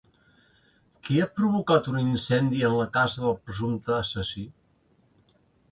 Qui ha provocat un incendi en la casa del presumpte assassí?